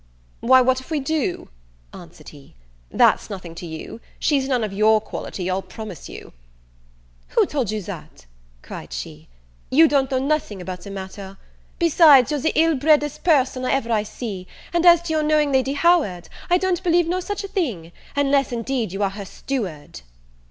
"Why, what if we do?" answered he; "that's nothing to you; she's none of your quality, I'll promise you." "Who told you that?" cried she; "you don't know nothing about the matter! besides, you're the ill bredest person ever I see: and as to your knowing Lady Howard, I don't believe no such a thing; unless, indeed, you are her steward."